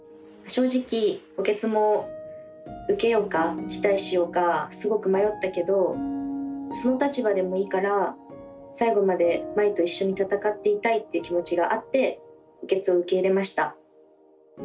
正直補欠も受けようか辞退しようかすごく迷ったけどその立場でもいいから最後まで茉愛と一緒に戦っていたいって気持ちがあって補欠を受け入れました。